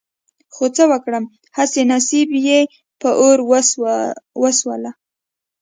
خو څه وکړم هسې نصيب يې په اور وسوله.